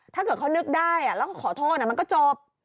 ถ้าเกิดเขานึกได้แล้วก็ขอโทษมันก็จบ